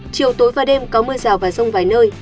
chiều tối và đêm có mưa rào và rông vài nơi